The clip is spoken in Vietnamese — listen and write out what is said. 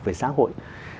về xã hội